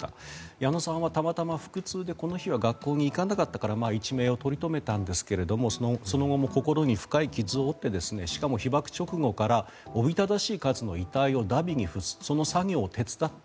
矢野さんはたまたま腹痛でこの日は学校に行かなかったから一命を取り留めたんですがその後も心に深い傷を負ってしかも被爆直後からおびただしい数の遺体を荼毘に付すその作業を手伝った。